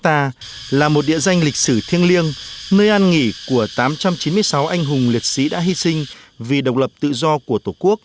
nghĩa trang him lam là một địa danh lịch sử thiêng liêng nơi ăn nghỉ của tám trăm chín mươi sáu anh hùng liệt sĩ đã hy sinh vì độc lập tự do của tổ quốc